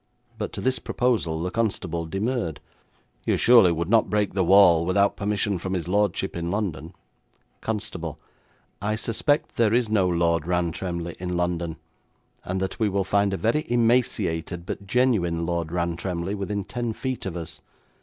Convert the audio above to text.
But to this proposal the constable demurred. 'You surely would not break the wall without permission from his lordship in London?' 'Constable, I suspect there is no Lord Rantremly in London, and that we will find a very emaciated but genuine Lord Rantremly within ten feet of us.